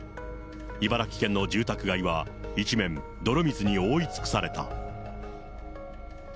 茨城県の住宅街は、一面、泥水に覆い尽くされた。